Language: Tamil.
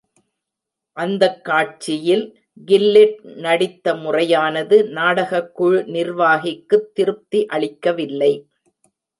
அந்தக் காட்சியில் கில்லெட் நடித்த முறையானது நாடகக் குழு நிர்வாகிக்குத் திருப்தி அளிக்கவில்லை.